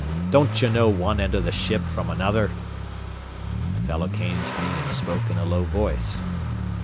Don't you know one end of a ship from another?" The fellow came to me and spoke in a low voice.